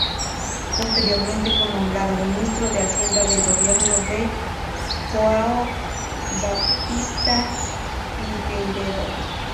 Posteriormente fue nombrado Ministro de Hacienda del gobierno de João Baptista Figueiredo.